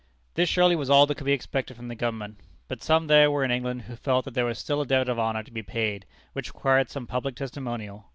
This surely was all that could be expected from the government, but some there were in England who felt that there was still a debt of honor to be paid, which required some public testimonial.